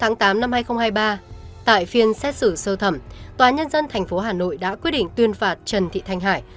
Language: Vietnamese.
ngày tám hai nghìn hai mươi ba tại phiên xét xử sơ thẩm tòa nhân dân tp hà nội đã quyết định tuyên phạt trần thị thanh hải